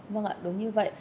vâng ạ đúng như vậy